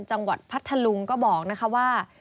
จังหวัดพัทธรุงก็บอกว่า